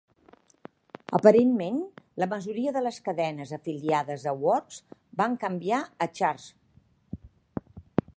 Aparentment, la majoria de les cadenes afiliades a Works van canviar a Charge!